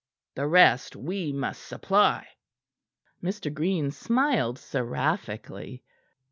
The rest we must supply." Mr. Green smiled seraphically.